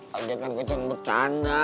padahal kan kecilnya bercanda